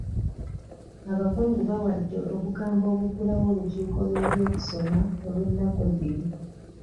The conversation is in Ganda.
Abakungu bawadde obugambo obuggulawo olukiiko lw'ebyokusoma olw'ennaku ebbiri.